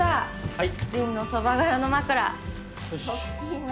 はい！